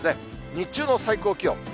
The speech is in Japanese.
日中の最高気温。